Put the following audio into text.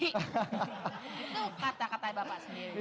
itu kata katanya bapak sendiri